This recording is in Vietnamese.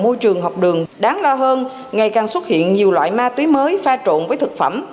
môi trường học đường đáng lo hơn ngày càng xuất hiện nhiều loại ma túy mới pha trộn với thực phẩm